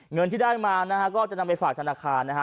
เงินที่ได้มานะฮะก็จะนำไปฝากธนาคารนะฮะ